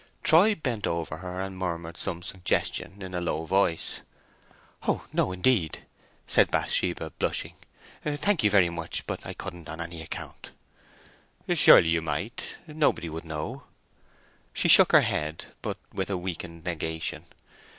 Troy bent over her and murmured some suggestion in a low voice. "Oh no, indeed!" said Bathsheba, blushing. "Thank you very much, but I couldn't on any account." "Surely you might? Nobody would know." She shook her head, but with a weakened negation.